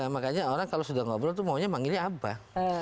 makanya orang kalau sudah ngobrol tuh maunya manggilnya abah